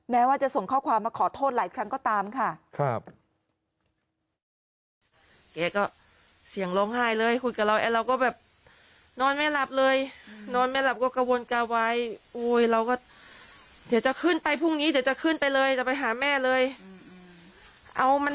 แม้ว่าจะส่งข้อความมาขอโทษหลายครั้งก็ตามค่ะ